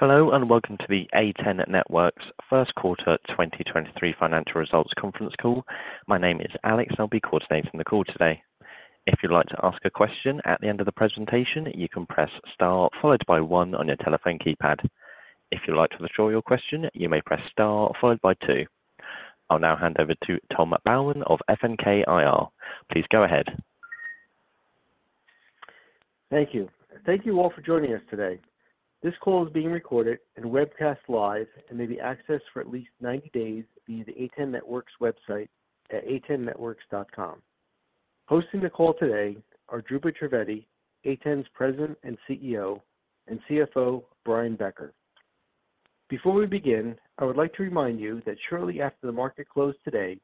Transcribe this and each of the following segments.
Hello, welcome to the A10 Networks First Quarter 2023 Financial Results Conference Call. My name is Alex, and I'll be coordinating the call today. If you'd like to ask a question at the end of the presentation, you can press star followed by one on your telephone keypad. If you'd like to withdraw your question, you may press star followed by two. I'll now hand over to Tom Bowen of FNK IR. Please go ahead. Thank you. Thank you all for joining us today. This call is being recorded and webcast live and may be accessed for at least 90 days via the A10 Networks website at a10networks.com. Hosting the call today are Dhrupad Trivedi, A10's President and CEO, and CFO, Brian Becker. Before we begin, I would like to remind you that shortly after the market closed today,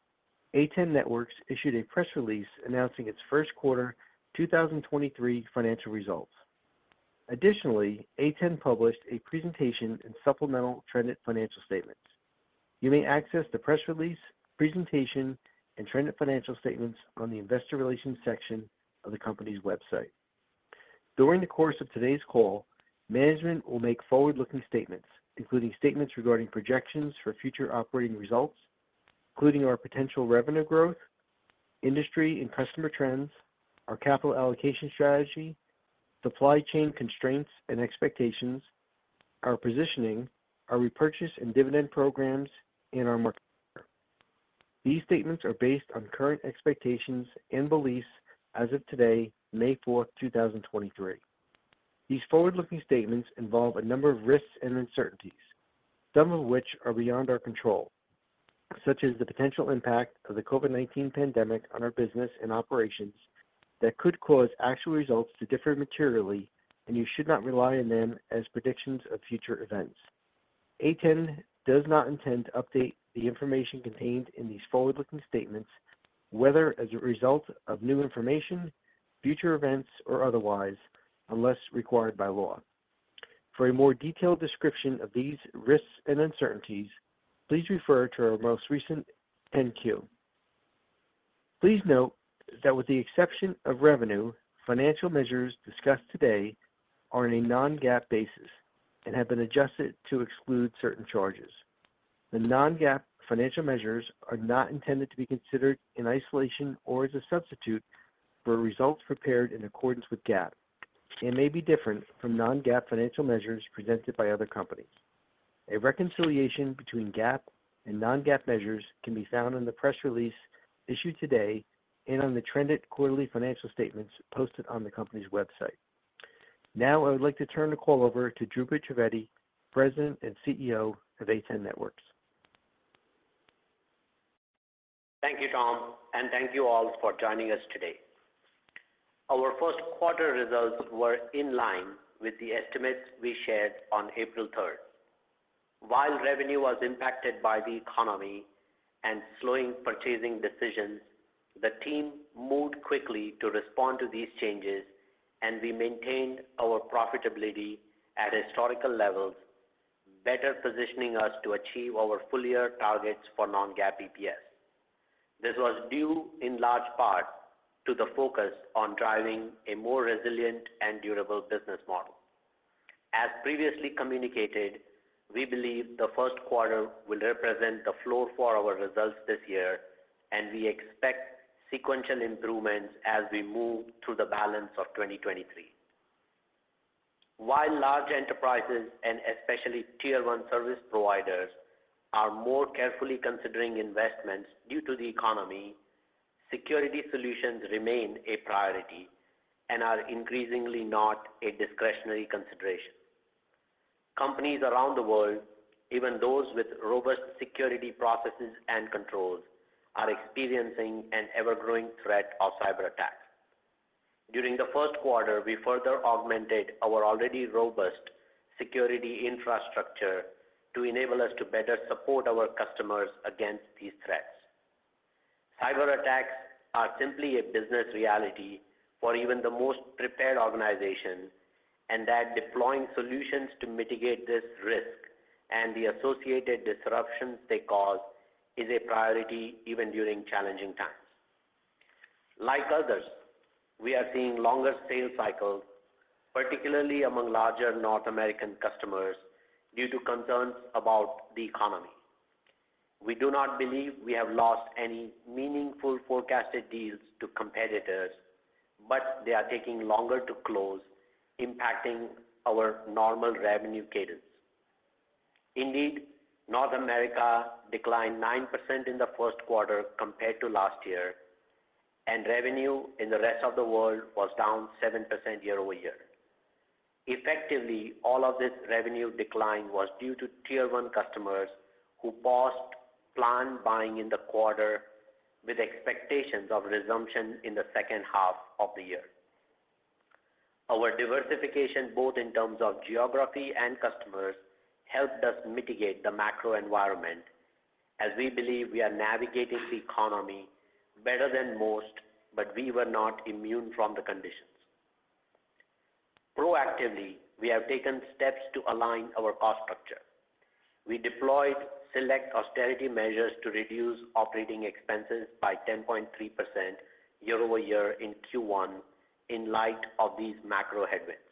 A10 Networks issued a press release announcing its first quarter 2023 financial results. Additionally, A10 published a presentation in supplemental trended financial statements. You may access the press release, presentation, and trended financial statements on the investor relations section of the company's website. During the course of today's call, management will make forward-looking statements, including statements regarding projections for future operating results, including our potential revenue growth, industry and customer trends, our capital allocation strategy, supply chain constraints and expectations, our positioning, our repurchase and dividend programs, and our market. These statements are based on current expectations and beliefs as of today, May 4, 2023. These forward-looking statements involve a number of risks and uncertainties, some of which are beyond our control, such as the potential impact of the COVID-19 pandemic on our business and operations that could cause actual results to differ materially. You should not rely on them as predictions of future events. A10 does not intend to update the information contained in these forward-looking statements, whether as a result of new information, future events, or otherwise, unless required by law. For a more detailed description of these risks and uncertainties, please refer to our most recent 10-Q. Please note that with the exception of revenue, financial measures discussed today are on a non-GAAP basis and have been adjusted to exclude certain charges. The non-GAAP financial measures are not intended to be considered in isolation or as a substitute for results prepared in accordance with GAAP and may be different from non-GAAP financial measures presented by other companies. A reconciliation between GAAP and non-GAAP measures can be found in the press release issued today and on the trended quarterly financial statements posted on the company's website. Now, I would like to turn the call over to Dhrupad Trivedi, President and CEO of A10 Networks. Thank you, Tom, and thank you all for joining us today. Our first quarter results were in line with the estimates we shared on April 3rd. While revenue was impacted by the economy and slowing purchasing decisions, the team moved quickly to respond to these changes, and we maintained our profitability at historical levels, better positioning us to achieve our full-year targets for non-GAAP EPS. This was due in large part to the focus on driving a more resilient and durable business model. As previously communicated, we believe the first quarter will represent the flow for our results this year, and we expect sequential improvements as we move through the balance of 2023. While large enterprises, and especially tier one service providers, are more carefully considering investments due to the economy, security solutions remain a priority and are increasingly not a discretionary consideration. Companies around the world, even those with robust security processes and controls, are experiencing an ever-growing threat of cyberattacks. During the first quarter, we further augmented our already robust security infrastructure to enable us to better support our customers against these threats. Cyberattacks are simply a business reality for even the most prepared organizations, and that deploying solutions to mitigate this risk and the associated disruptions they cause is a priority even during challenging times. Like others, we are seeing longer sales cycles, particularly among larger North American customers, due to concerns about the economy. We do not believe we have lost any meaningful forecasted deals to competitors, but they are taking longer to close, impacting our normal revenue cadence. Indeed, North America declined 9% in the first quarter compared to last year, and revenue in the rest of the world was down 7% year-over-year. Effectively, all of this revenue decline was due to tier one customers who paused planned buying in the quarter with expectations of resumption in the second half of the year. Our diversification, both in terms of geography and customers, helped us mitigate the macro environment as we believe we are navigating the economy better than most, but we were not immune from the conditions. Proactively, we have taken steps to align our cost structure. We deployed select austerity measures to reduce OpEx by 10.3% year-over-year in Q1 in light of these macro headwinds.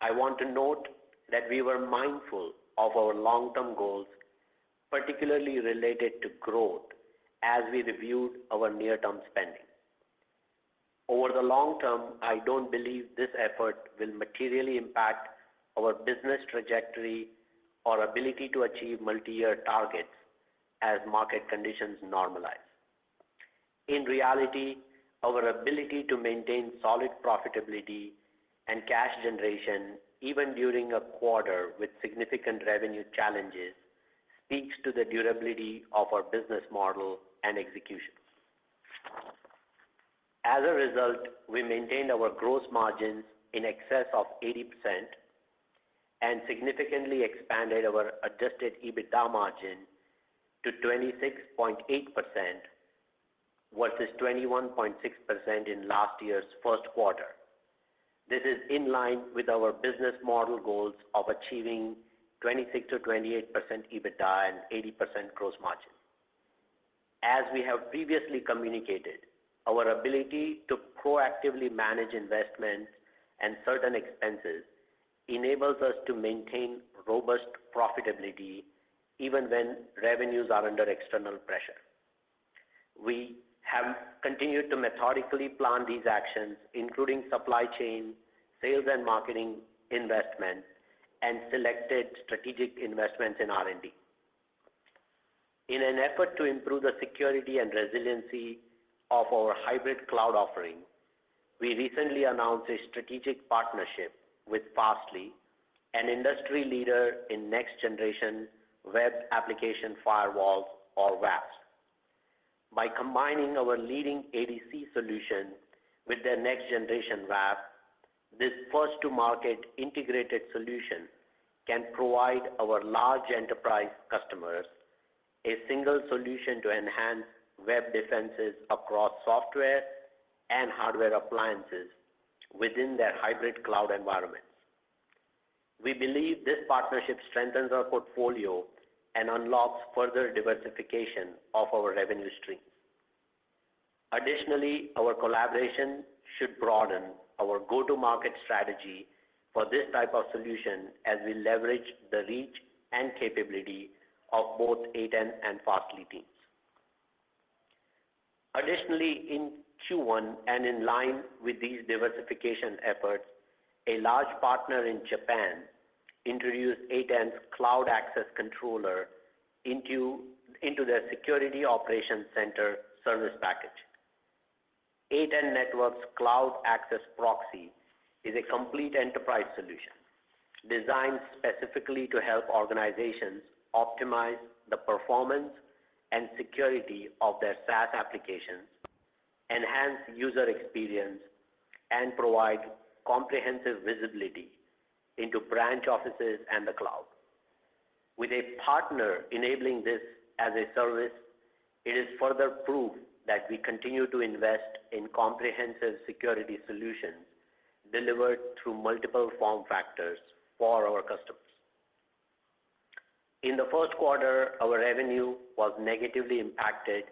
I want to note that we were mindful of our long-term goals, particularly related to growth as we reviewed our near-term spending. Over the long term, I don't believe this effort will materially impact our business trajectory or ability to achieve multi-year targets as market conditions normalize. In reality, our ability to maintain solid profitability and cash generation, even during a quarter with significant revenue challenges, speaks to the durability of our business model and execution. As a result, we maintained our gross margins in excess of 80% and significantly expanded our adjusted EBITDA margin to 26.8% versus 21.6% in last year's first quarter. This is in line with our business model goals of achieving 26%-28% EBITDA and 80% gross margin. As we have previously communicated, our ability to proactively manage investments and certain expenses enables us to maintain robust profitability even when revenues are under external pressure. We have continued to methodically plan these actions, including supply chain, sales and marketing investments, and selected strategic investments in R&D. In an effort to improve the security and resiliency of our hybrid cloud offering, we recently announced a strategic partnership with Fastly, an industry leader in next-generation web application firewalls or WAFs. By combining our leading ADC solution with their next-generation WAF, this first-to-market integrated solution can provide our large enterprise customers a single solution to enhance web defenses across software and hardware appliances within their hybrid cloud environments. We believe this partnership strengthens our portfolio and unlocks further diversification of our revenue streams. Our collaboration should broaden our go-to-market strategy for this type of solution as we leverage the reach and capability of both A10 and Fastly teams. In Q1 and in line with these diversification efforts, a large partner in Japan introduced A10's cloud access controller into their security operations center service package. A10 Networks Cloud Access Proxy is a complete enterprise solution designed specifically to help organizations optimize the performance and security of their SaaS applications, enhance user experience, and provide comprehensive visibility into branch offices and the cloud. With a partner enabling this as a service, it is further proof that we continue to invest in comprehensive security solutions delivered through multiple form factors for our customers. In the first quarter, our revenue was negatively impacted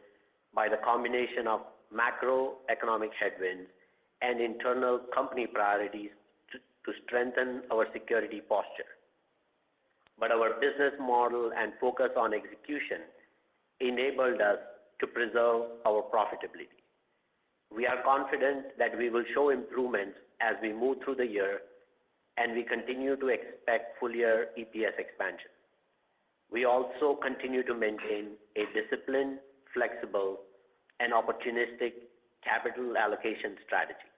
by the combination of macroeconomic headwinds and internal company priorities to strengthen our security posture. Our business model and focus on execution enabled us to preserve our profitability. We are confident that we will show improvement as we move through the year, and we continue to expect full-year EPS expansion. We also continue to maintain a disciplined, flexible, and opportunistic capital allocation strategy.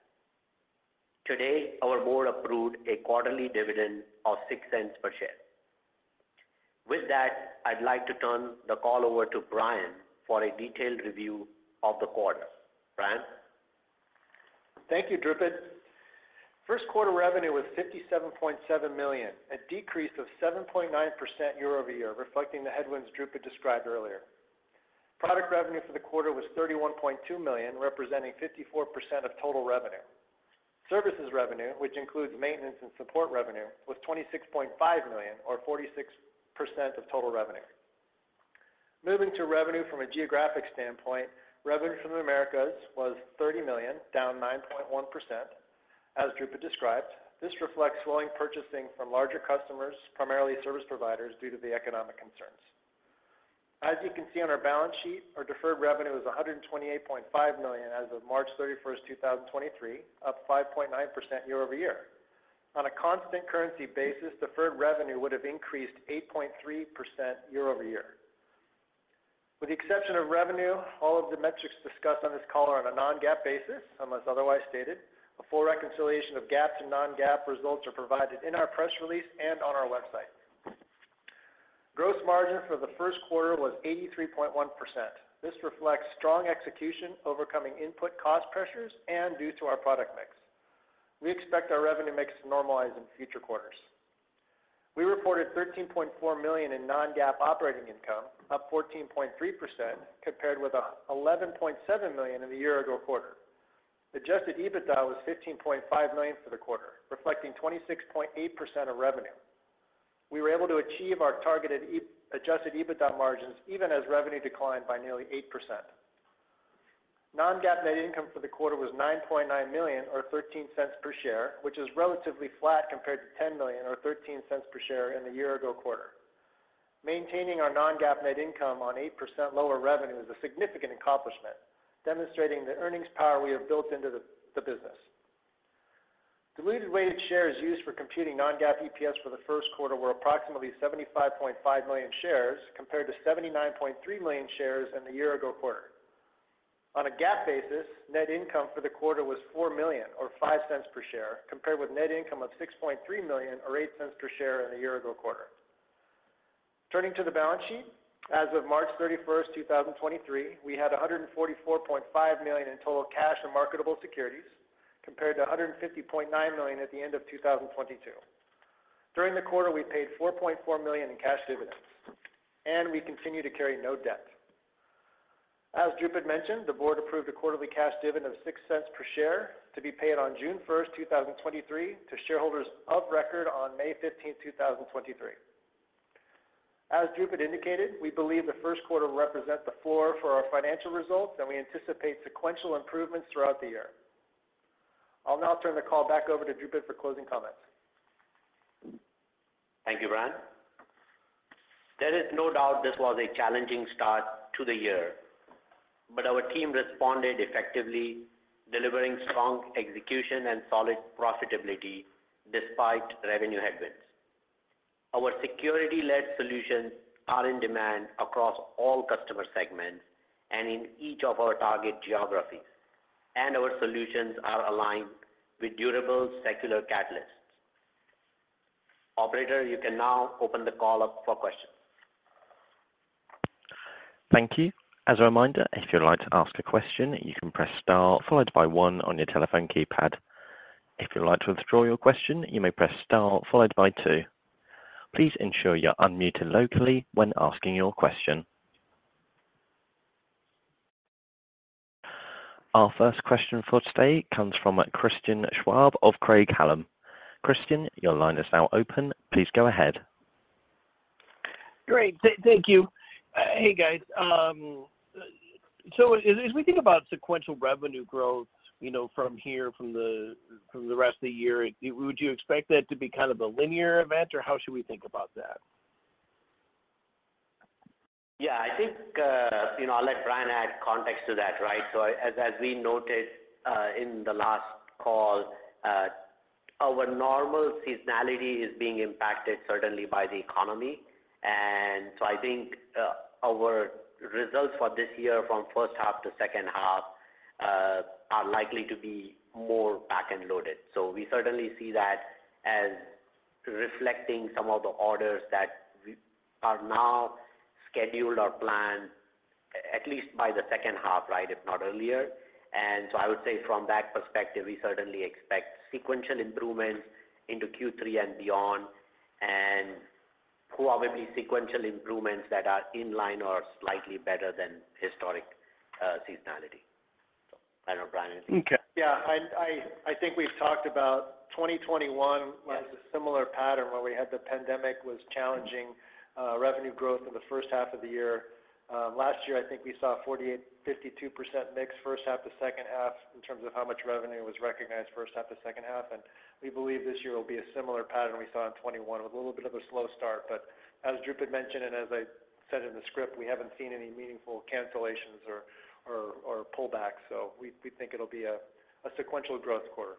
Today, our board approved a quarterly dividend of $0.06 per share. I'd like to turn the call over to Brian for a detailed review of the quarter. Brian? Thank you, Dhrupad. First quarter revenue was $57.7 million, a decrease of 7.9% year-over-year, reflecting the headwinds Dhrupad described earlier. Product revenue for the quarter was $31.2 million, representing 54% of total revenue. Services revenue, which includes maintenance and support revenue, was $26.5 million, or 46% of total revenue. Moving to revenue from a geographic standpoint, revenue from the Americas was $30 million, down 9.1%. As Dhrupad described, this reflects slowing purchasing from larger customers, primarily service providers, due to the economic concerns. As you can see on our balance sheet, our deferred revenue is $128.5 million as of March 31, 2023, up 5.9% year-over-year. On a constant currency basis, deferred revenue would have increased 8.3% year-over-year. With the exception of revenue, all of the metrics discussed on this call are on a non-GAAP basis, unless otherwise stated. A full reconciliation of GAAP to non-GAAP results are provided in our press release and on our website. Gross margin for the first quarter was 83.1%. This reflects strong execution overcoming input cost pressures and due to our product mix. We expect our revenue mix to normalize in future quarters. We reported $13.4 million in non-GAAP operating income, up 14.3% compared with $11.7 million in the year ago quarter. Adjusted EBITDA was $15.5 million for the quarter, reflecting 26.8% of revenue. We were able to achieve our targeted adjusted EBITDA margins even as revenue declined by nearly 8%. Non-GAAP net income for the quarter was $9.9 million or $0.13 per share, which is relatively flat compared to $10 million or $0.13 per share in the year ago quarter. Maintaining our non-GAAP net income on 8% lower revenue is a significant accomplishment, demonstrating the earnings power we have built into the business. Diluted weighted shares used for computing non-GAAP EPS for the first quarter were approximately 75.5 million shares compared to 79.3 million shares in the year ago quarter. On a GAAP basis, net income for the quarter was $4 million or $0.05 per share, compared with net income of $6.3 million or $0.08 per share in the year ago quarter. Turning to the balance sheet. As of March 31, 2023, we had $144.5 million in total cash and marketable securities, compared to $150.9 million at the end of 2022. During the quarter, we paid $4.4 million in cash dividends. We continue to carry no debt. As Dhrupad mentioned, the board approved a quarterly cash dividend of $0.06 per share to be paid on June 1, 2023 to shareholders of record on May 15, 2023. As Dhrupad indicated, we believe the first quarter represents the floor for our financial results, and we anticipate sequential improvements throughout the year. I'll now turn the call back over to Dhrupad for closing comments. Thank you, Brian. There is no doubt this was a challenging start to the year, but our team responded effectively, delivering strong execution and solid profitability despite revenue headwinds. Our security-led solutions are in demand across all customer segments and in each of our target geographies, and our solutions are aligned with durable secular catalysts. Operator, you can now open the call up for questions. Thank you. As a reminder, if you'd like to ask a question, you can press star followed by one on your telephone keypad. If you'd like to withdraw your question, you may press star followed by two. Please ensure you're unmuted locally when asking your question. Our first question for today comes from Christian Schwab of Craig-Hallum. Christian, your line is now open. Please go ahead. Great. Thank you. Hey, guys. As we think about sequential revenue growth, you know, from here, from the rest of the year, would you expect that to be kind of a linear event, or how should we think about that? Yeah, I think, you know, I'll let Brian add context to that, right. As we noted, in the last call, our normal seasonality is being impacted certainly by the economy. I think our results for this year from first half to second half are likely to be more back-end loaded. We certainly see that as reflecting some of the orders that we are now scheduled or planned, at least by the second half, right, if not earlier. I would say from that perspective, we certainly expect sequential improvements into Q3 and beyond and probably sequential improvements that are in line or slightly better than historic seasonality. I don't know, Brian, if you. Okay. Yeah. I think we've talked about 2021 was a similar pattern where we had the pandemic was challenging, revenue growth in the first half of the year. Last year, I think we saw 48%-52% mix first half to second half in terms of how much revenue was recognized first half to second half. We believe this year will be a similar pattern we saw in 2021 with a little bit of a slow start. As Dhrupad mentioned and as I said in the script, we haven't seen any meaningful cancellations or pullbacks. We think it'll be a sequential growth quarter.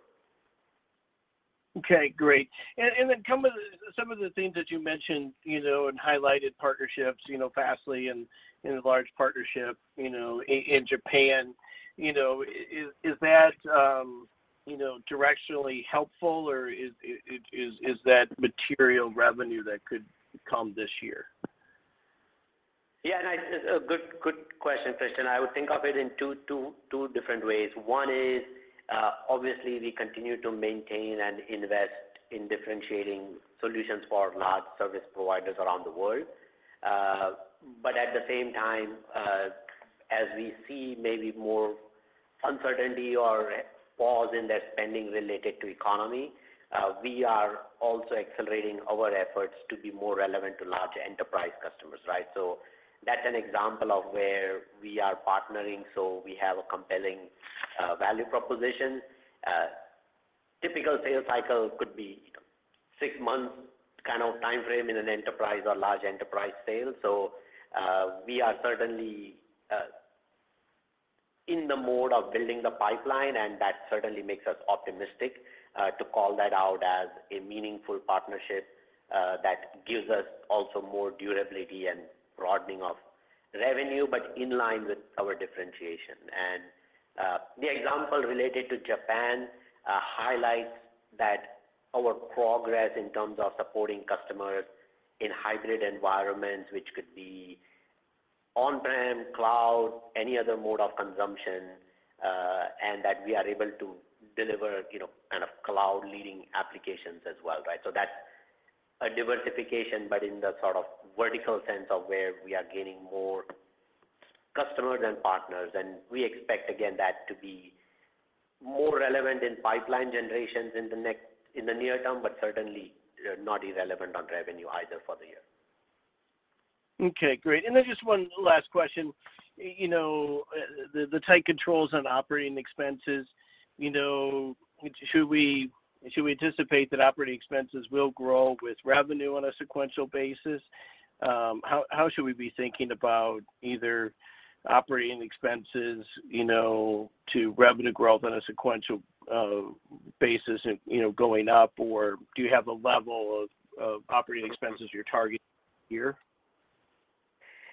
Okay. Great. Then some of the things that you mentioned, you know, and highlighted partnerships, you know, Fastly and a large partnership, you know, in Japan. You know, is that, you know, directionally helpful or is that material revenue that could come this year? Yeah. A good question, Christian. I would think of it in two different ways. One is, obviously we continue to maintain and invest in differentiating solutions for large service providers around the world. At the same time, as we see maybe more uncertainty or pause in their spending related to economy, we are also accelerating our efforts to be more relevant to larger enterprise customers, right? That's an example of where we are partnering, so we have a compelling value proposition. Typical sales cycle could be six months kind of time frame in an enterprise or large enterprise sale. We are certainly in the mode of building the pipeline, and that certainly makes us optimistic to call that out as a meaningful partnership that gives us also more durability and broadening of revenue, but in line with our differentiation. The example related to Japan highlights that our progress in terms of supporting customers in hybrid environments, which could be on-prem, cloud, any other mode of consumption, and that we are able to deliver, you know, kind of cloud-leading applications as well, right? That's a diversification, but in the sort of vertical sense of where we are gaining more customers and partners. We expect, again, that to be more relevant in pipeline generations in the near term, but certainly, not irrelevant on revenue either for the year. Okay, great. Just one last question. You know, the tight controls on operating expenses, you know, should we anticipate that operating expenses will grow with revenue on a sequential basis? How should we be thinking about either operating expenses, you know, to revenue growth on a sequential basis and, you know, going up? Do you have a level of operating expenses you're targeting here?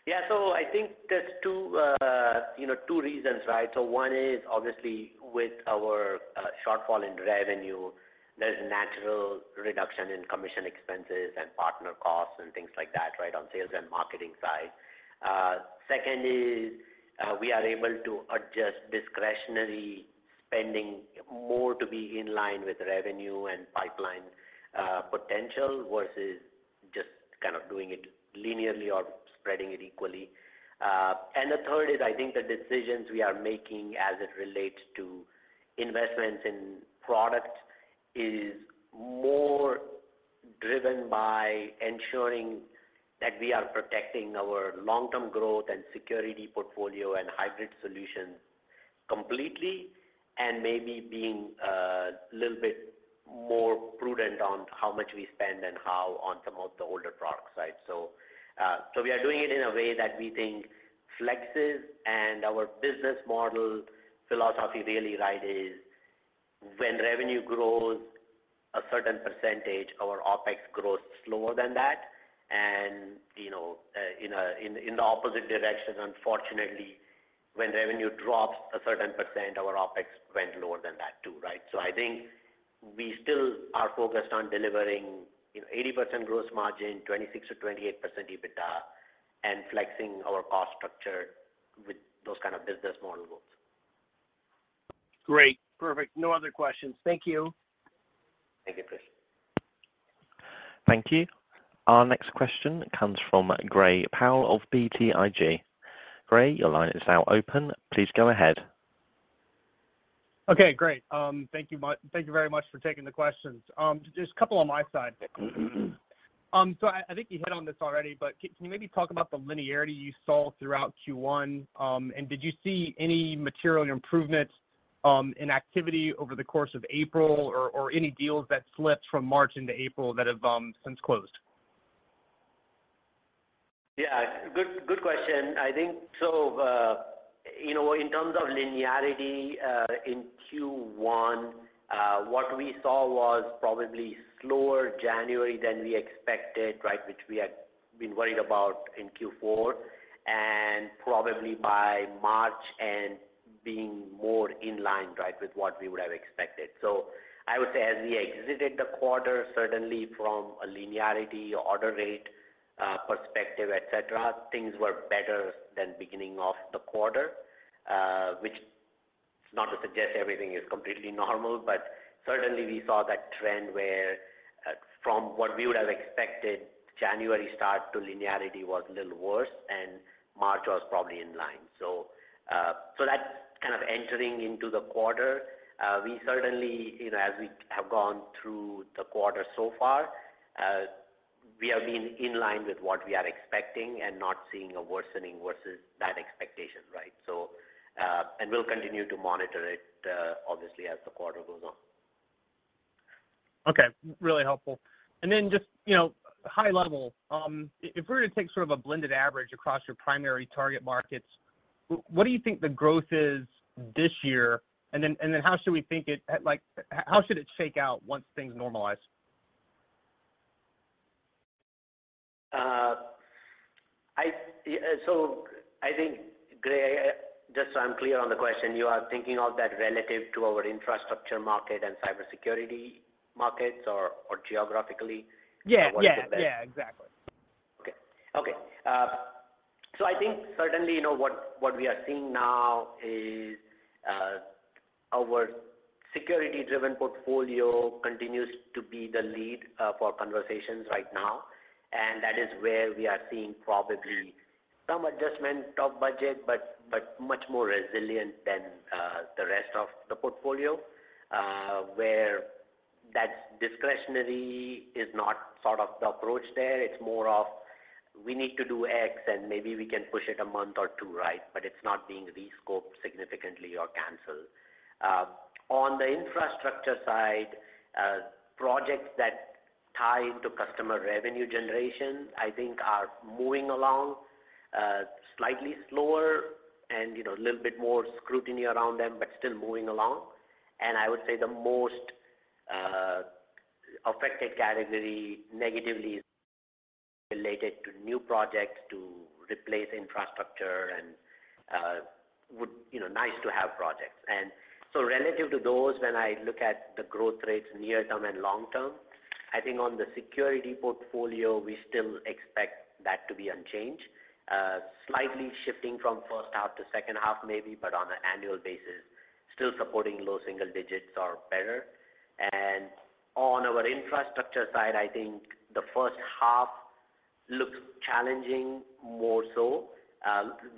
Yeah. I think there's two, you know, two reasons, right? One is obviously with our shortfall in revenue, there's natural reduction in commission expenses and partner costs and things like that, right, on sales and marketing side. Two is, we are able to adjust discretionary spending more to be in line with revenue and pipeline potential versus just kind of doing it linearly or spreading it equally. Three is, I think the decisions we are making as it relates to investments in product is more driven by ensuring that we are protecting our long-term growth and security portfolio and hybrid solutions completely, and maybe being a little bit more prudent on how much we spend and how on some of the older products side. We are doing it in a way that we think flexes and our business model philosophy really, right, is when revenue grows a certain percentage, our OpEx grows slower than that. You know, in the opposite direction, unfortunately, when revenue drops a certain percent, our OpEx went lower than that too, right? I think we still are focused on delivering, you know, 80% gross margin, 26%-28% EBITDA, and flexing our cost structure with those kind of business model rules. Great. Perfect. No other questions. Thank you. Thank you, Chris. Thank you. Our next question comes from Gray Powell of BTIG. Gray, your line is now open. Please go ahead. Okay, great. Thank you very much for taking the questions. Just a couple on my side. I think you hit on this already, but can you maybe talk about the linearity you saw throughout Q1? Did you see any material improvements in activity over the course of April or any deals that slipped from March into April that have since closed? Yeah. Good, good question. I think so, you know, in terms of linearity, in Q1, what we saw was probably slower January than we expected, right? Which we had been worried about in Q4, and probably by March and being more in line, right, with what we would have expected. I would say as we exited the quarter, certainly from a linearity order rate, perspective, et cetera, things were better than beginning of the quarter. Which is not to suggest everything is completely normal, but certainly we saw that trend where, from what we would have expected January start to linearity was a little worse, and March was probably in line. So that's kind of entering into the quarter. We certainly, you know, as we have gone through the quarter so far, we have been in line with what we are expecting and not seeing a worsening versus that expectation, right? We'll continue to monitor it, obviously as the quarter goes on. Okay. Really helpful. Just, you know, high level, if we were to take sort of a blended average across your primary target markets, what do you think the growth is this year? How should it shake out once things normalize? Yeah. I think, Gray, just so I'm clear on the question, you are thinking of that relative to our infrastructure market and cybersecurity markets or geographically? Yeah. Yeah. What is it then? Yeah, exactly. Okay. Okay. I think certainly, you know, what we are seeing now is, our security-driven portfolio continues to be the lead for conversations right now. That is where we are seeing probably some adjustment of budget, but much more resilient than the rest of the portfolio, where that discretionary is not sort of the approach there. It's more of we need to do X, and maybe we can push it one month or two, right? It's not being re-scoped significantly or canceled. On the infrastructure side, projects that tie into customer revenue generation, I think are moving along, slightly slower and, you know, a little bit more scrutiny around them, but still moving along. I would say the most affected category negatively is related to new projects to replace infrastructure and would... You know, nice to have projects. Relative to those, when I look at the growth rates near term and long term, I think on the security portfolio, we still expect that to be unchanged. Slightly shifting from first half to second half maybe, but on an annual basis still supporting low single digits or better. On our infrastructure side, I think the first half looks challenging more so.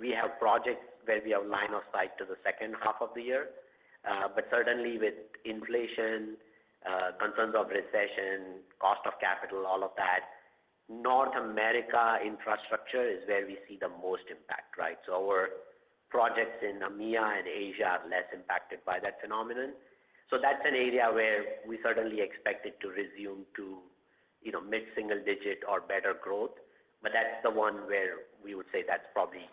We have projects where we have line of sight to the second half of the year. But certainly with inflation, concerns of recession, cost of capital, all of that, North America infrastructure is where we see the most impact, right? Our projects in EMEA and Asia are less impacted by that phenomenon. That's an area where we certainly expect it to resume to, you know, mid-single digit or better growth. That's the one where we would say that's probably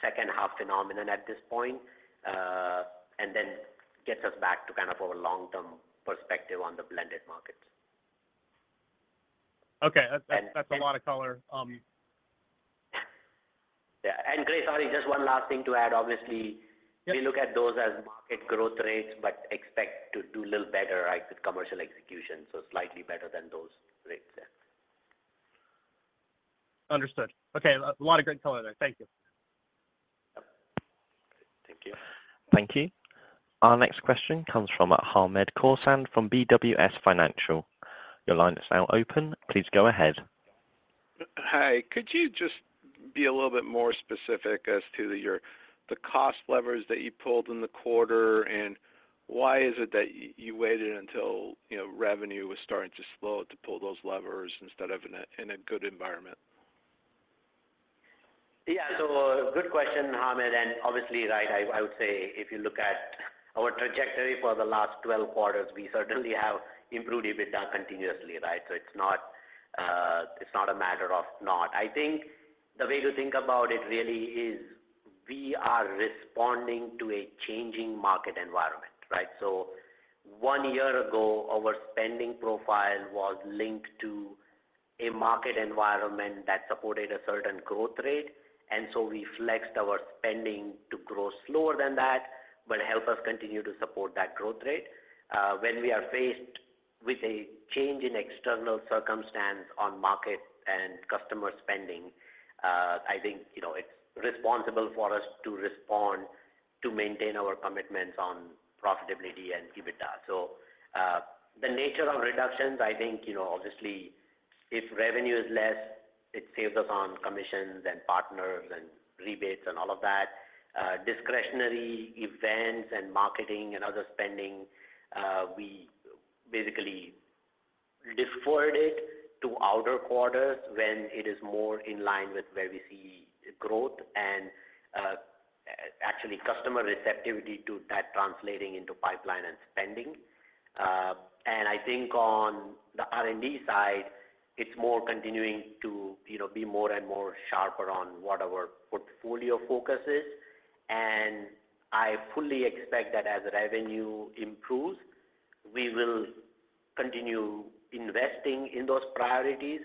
second half phenomenon at this point, and then gets us back to kind of our long-term perspective on the blended markets. Okay. That's a lot of color. Yeah. Gray, sorry, just one last thing to add. Yeah. We look at those as market growth rates, but expect to do a little better at the commercial execution, so slightly better than those rates, yeah. Understood. Okay. A lot of great color there. Thank you. Thank you. Thank you. Our next question comes from Hamed Khorsand from BWS Financial. Your line is now open. Please go ahead. Hi. Could you just be a little bit more specific as to your the cost levers that you pulled in the quarter? Why is it that you waited until, you know, revenue was starting to slow to pull those levers instead of in a good environment? Good question, Hamed, and obviously, right, I would say if you look at our trajectory for the last 12 quarters, we certainly have improved EBITDA continuously, right? It's not, it's not a matter of not. I think the way to think about it really is we are responding to a changing market environment, right? One year ago, our spending profile was linked to a market environment that supported a certain growth rate. We flexed our spending to grow slower than that, but help us continue to support that growth rate. When we are faced with a change in external circumstance on market and customer spending, I think, you know, it's responsible for us to respond to maintain our commitments on profitability and EBITDA. The nature of reductions, I think, you know, obviously if revenue is less, it saves us on commissions and partners and rebates and all of that. Discretionary events and marketing and other spending, we basically defer it to outer quarters when it is more in line with where we see growth and actually customer receptivity to that translating into pipeline and spending. I think on the R&D side, it's more continuing to, you know, be more and more sharper on what our portfolio focus is. I fully expect that as revenue improves, we will continue investing in those priorities,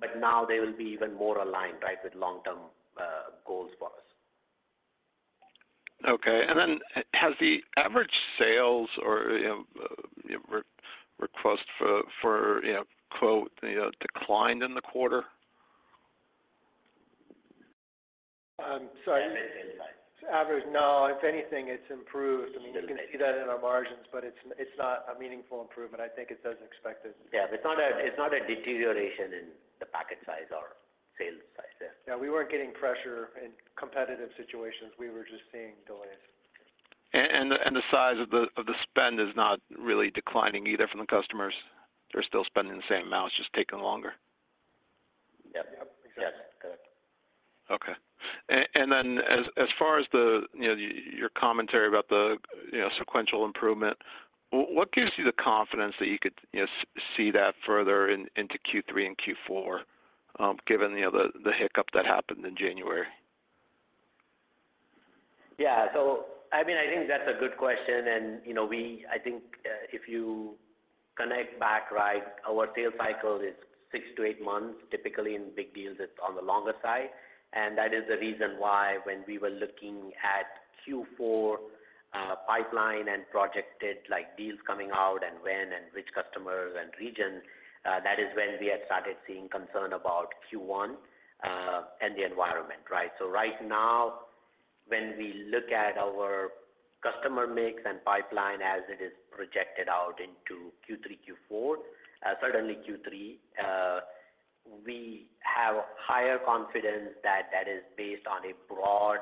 but now they will be even more aligned, right, with long-term goals for us. Okay. Has the average sales or, you know, re-request for, you know, quote, you know, declined in the quarter? Sorry. Average? No. If anything, it's improved. I mean, you can see that in our margins, but it's not a meaningful improvement. I think it's as expected. Yeah. It's not a deterioration in the packet size or sales size, yeah. We weren't getting pressure in competitive situations. We were just seeing delays. The size of the spend is not really declining either from the customers. They're still spending the same amount, it's just taking longer. Yep. Yep. Exactly. Yes. Good. Okay. As far as the, you know, your commentary about the, you know, sequential improvement, what gives you the confidence that you could, you know, see that further into Q3 and Q4, given, you know, the hiccup that happened in January? Yeah. I mean, I think, if you connect back, right, our sales cycle is six to eight months. Typically, in big deals, it's on the longer side. That is the reason why when we were looking at Q4 pipeline and projected, like, deals coming out and when and which customers and regions, that is when we had started seeing concern about Q1 and the environment, right? Right now, when we look at our customer mix and pipeline as it is projected out into Q3, Q4, certainly Q3, we have higher confidence that that is based on a broad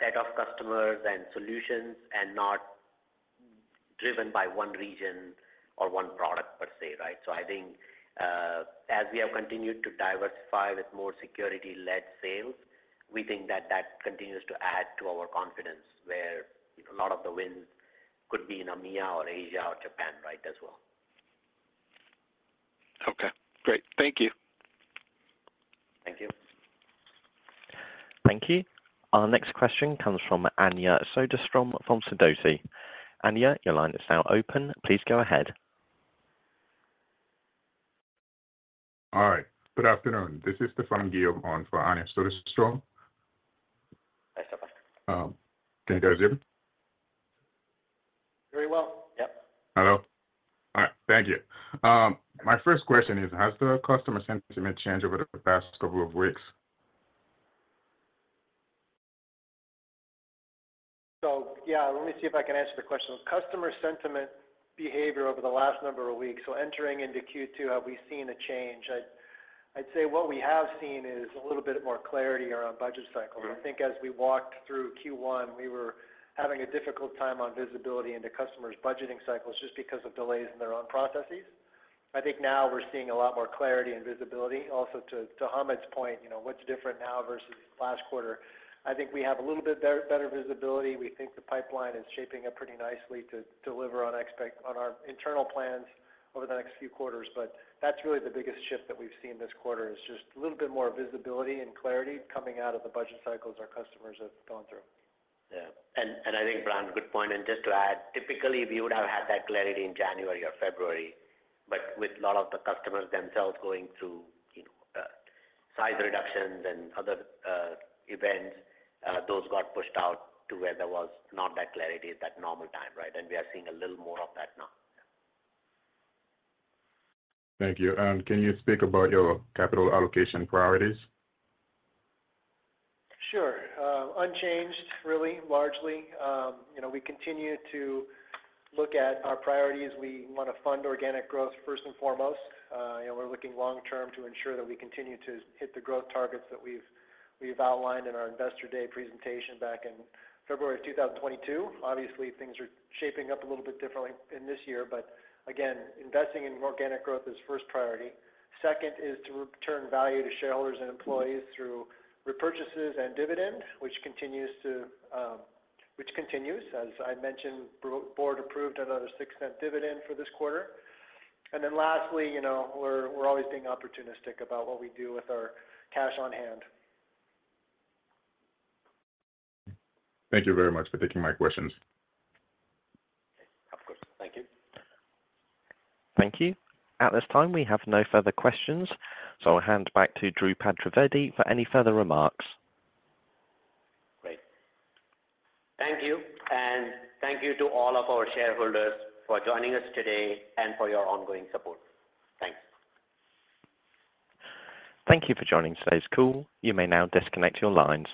set of customers and solutions and not driven by one region or one product per se, right? I think, as we have continued to diversify with more security-led sales, we think that that continues to add to our confidence, where a lot of the wins could be in EMEA or Asia or Japan, right, as well. Okay. Great. Thank you. Thank you. Thank you. Our next question comes from Anja Soderstrom from Sidoti. Anja, your line is now open. Please go ahead. All right. Good afternoon. This is Stefan Gill on for Anja Soderstrom. Hi, Stefan. Can you guys hear me? Very well. Yep. Thank you. My first question is, has the customer sentiment changed over the past couple of weeks? Yeah, let me see if I can answer the question. Customer sentiment behavior over the last number of weeks, so entering into Q2, have we seen a change? I'd say what we have seen is a little bit more clarity around budget cycles. Yeah. I think as we walked through Q1, we were having a difficult time on visibility into customers' budgeting cycles just because of delays in their own processes. I think now we're seeing a lot more clarity and visibility. Also to Hamid's point, you know, what's different now versus last quarter, I think we have a little bit better visibility. We think the pipeline is shaping up pretty nicely to deliver on our internal plans over the next few quarters. That's really the biggest shift that we've seen this quarter, is just a little bit more visibility and clarity coming out of the budget cycles our customers have gone through. Yeah. I think, Brian, good point. Just to add, typically, we would have had that clarity in January or February, but with a lot of the customers themselves going through, you know, size reductions and other events, those got pushed out to where there was not that clarity at that normal time, right? We are seeing a little more of that now. Thank you. Can you speak about your capital allocation priorities? Sure. Unchanged really, largely. You know, we continue to look at our priorities. We wanna fund organic growth first and foremost. You know, we're looking long term to ensure that we continue to hit the growth targets that we've outlined in our Investor Day presentation back in February of 2022. Obviously, things are shaping up a little bit differently in this year. Again, investing in organic growth is first priority. Second is to return value to shareholders and employees through repurchases and dividend, which continues. As I mentioned, board approved another $0.06 dividend for this quarter. Lastly, you know, we're always being opportunistic about what we do with our cash on hand. Thank you very much for taking my questions. Of course. Thank you. Thank you. At this time, we have no further questions. I'll hand back to Dhrupad Trivedi for any further remarks. Great. Thank you, and thank you to all of our shareholders for joining us today and for your ongoing support. Thanks. Thank you for joining today's call. You may now disconnect your lines.